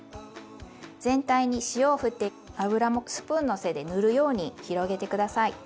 全体に塩をふって油もスプーンの背で塗るように広げて下さい。